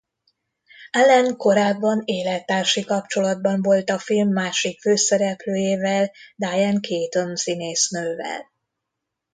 Allen korábban élettársi kapcsolatban volt a film másik főszereplőjével Diane Keaton színésznővel.